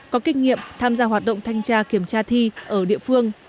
có kinh nghiệm tham gia hoạt động thanh tra kiểm tra thi ở địa phương